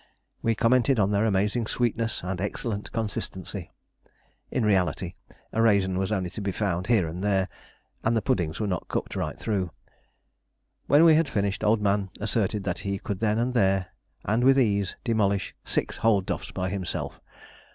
We commented on their amazing sweetness and excellent consistency. In reality a raisin was only to be found here and there, and the puddings were not cooked right through. When we had finished, Old Man asserted that he could then and there and with ease demolish six whole duffs by himself.